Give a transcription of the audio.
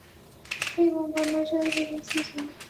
He won by majority decision.